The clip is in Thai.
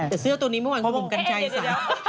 แต่เสื้อตัวนี้เมื่อก่อนก็บุงกันใจใส่